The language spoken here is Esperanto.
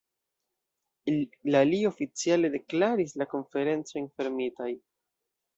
La li oficiale deklaris la Konferencojn fermitaj.